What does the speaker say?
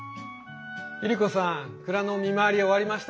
百合子さん蔵の見回り終わりました。